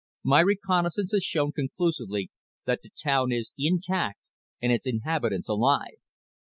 My reconnaissance has shown conclusively that the town is intact and its inhabitants alive.